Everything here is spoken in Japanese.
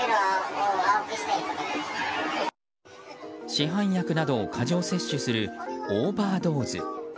市販薬などを過剰摂取するオーバードーズ。